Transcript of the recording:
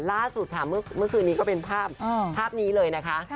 ล่าสุดค่ะเมื่อคืนนี้ก็เป็นภาพนี้เลยนะคะ